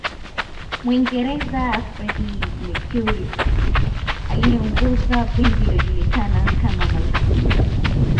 Muingereza Freddie Mercury aliyeongoza bendi iliyojulikana kama malkia